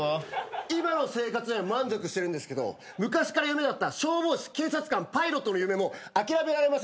今の生活で満足してるんですけど昔から夢だった消防士警察官パイロットの夢も諦められません。